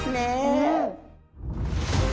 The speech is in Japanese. うん。